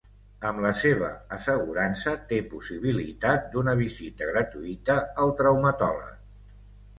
Amb la seva assegurança té possibilitat d'una visita gratuïta al traumatòleg.